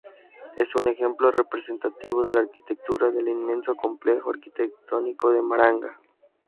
Es un ejemplo representativo de la arquitectura del inmenso complejo arquitectónico de Maranga.